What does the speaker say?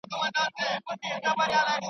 o توري يا باتور وهي، يا ئې له غمه سور وهي.